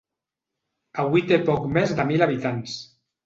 Avui té poc més de mil habitants.